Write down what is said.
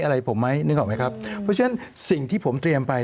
อะไรผมไหมนึกออกไหมครับเพราะฉะนั้นสิ่งที่ผมเตรียมไป